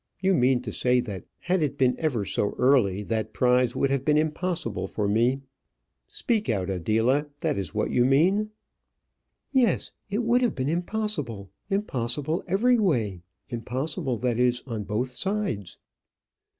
You mean to say that had it been ever so early, that prize would have been impossible for me. Speak out, Adela. That is what you mean?" "Yes; it would have been impossible; impossible every way; impossible, that is, on both sides."